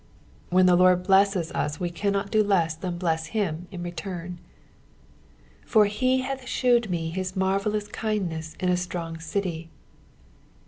When the Lord blesses us we cannot do l«n than bless him in return. " For he hath thewed me hit maneUva* kindneu in a ttrong eity."